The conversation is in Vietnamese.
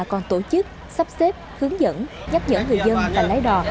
còn tổ chức sắp xếp hướng dẫn nhắc nhở người dân và lái đò